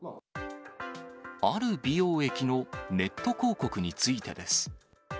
ある美容液のネット広告についてです。